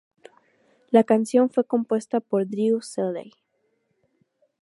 La canción fue compuesta por Drew Seeley.